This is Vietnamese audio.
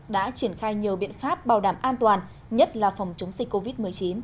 đã triển khai nhiều biện pháp bảo đảm an toàn nhất là phòng chống dịch covid một mươi chín